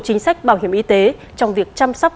chính sách bảo hiểm y tế trong việc chăm sóc